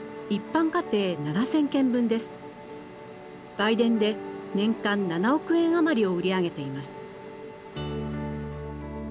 売電で年間７億円余りを売り上げています。